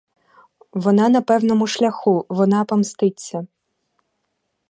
Вона на певному шляху, вона помститься.